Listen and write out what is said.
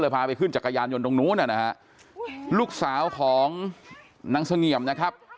พาไปขึ้นจักรยานยนต์ตรงนู้นนะฮะลูกสาวของนางเสงี่ยมนะครับ